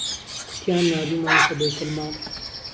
کوتیان ناردومانەتە بەیتەلماڵ